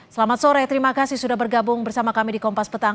selamat sore terima kasih sudah bergabung bersama kami di kompas petang